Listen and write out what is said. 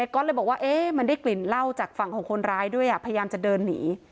ก๊อตเลยบอกว่ามันได้กลิ่นเหล้าจากฝั่งของคนร้ายด้วยพยายามจะเดินหนี